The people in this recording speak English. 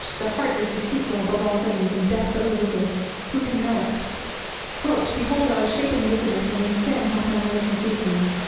"The heart is deceitful above all things, and desperately wicked, who can know it." "Behold, I was shapen in wickedness, and in sin hath my mother conceived me."